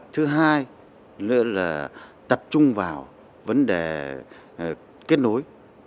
thứ hai nữa là tập trung vào vấn đề kết nối